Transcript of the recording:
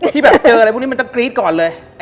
ที่แบบเจออะไรพวกนี้มันจะกรี๊ดก่อนเลย